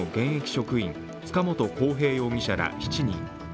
職員塚本晃平容疑者ら７人。